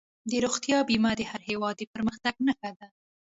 د روغتیا بیمه د هر هېواد د پرمختګ نښه ده.